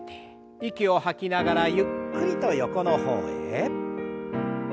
息を吐きながらゆっくりと横の方へ。